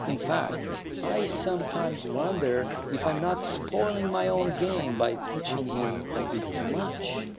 In fact, I sometimes wonder if I'm not spoiling my own game by teaching him a bit too much.